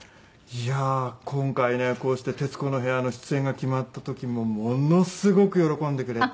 いや今回ねこうして『徹子の部屋』の出演が決まった時もものすごく喜んでくれて。